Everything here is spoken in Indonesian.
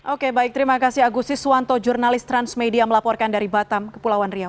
oke baik terima kasih agus iswanto jurnalis transmedia melaporkan dari batam kepulauan riau